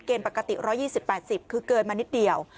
ปกติ๑๒๐๘๐คือเกินมานิดเดียว